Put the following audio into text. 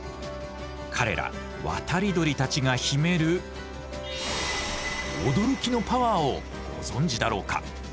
彼ら渡り鳥たちが秘める驚きのパワーをご存じだろうか。